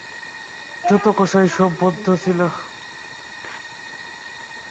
যত কসাই, সব বৌদ্ধ ছিল।